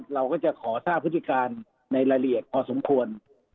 เราก็จะขอทราบพฤติการในรายละเอียดพอสมควร